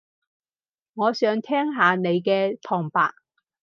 我想聽下你嘅旁白